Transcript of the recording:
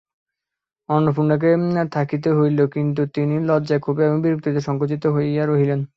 অন্নপূর্ণাকে থাকিতে হইল, কিন্তু তিনি লজ্জায় ক্ষোভে ও বিরক্তিতে সংকুচিত হইয়া রহিলেন।